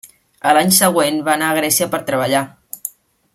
A l'any següent, va anar a Grècia per treballar.